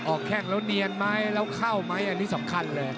แข้งแล้วเนียนไหมแล้วเข้าไหมอันนี้สำคัญเลย